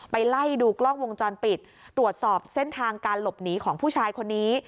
ไล่ดูกล้องวงจรปิดตรวจสอบเส้นทางการหลบหนีของผู้ชายคนนี้